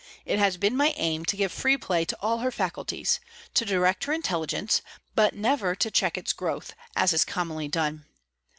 It has been my aim to give free play to all her faculties; to direct her intelligence, but never to check its growth as is commonly done.